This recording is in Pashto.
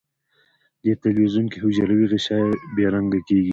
دې تلوین کې حجروي غشا بې رنګه کیږي.